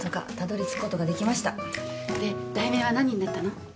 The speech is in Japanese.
で題名は何になったの？